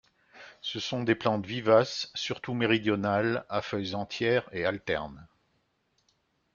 Ce sont des plantes vivaces surtout méridionales, à feuilles entières et alternes.